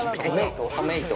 トメイト。